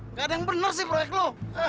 nggak ada yang benar sih proyek lo